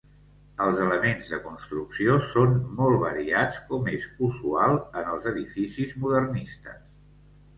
Els elements de construcció són molt variats com és usual en els edificis modernistes.